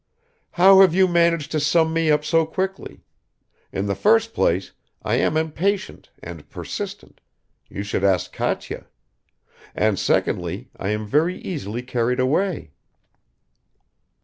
"How have you managed to sum me up so quickly? In the first place I am impatient and persistent you should ask Katya; and secondly I am very easily carried away."